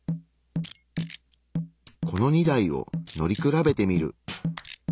この２台を乗り比べてみる。